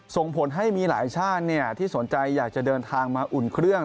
ส่งผลให้มีหลายชาติที่สนใจอยากจะเดินทางมาอุ่นเครื่อง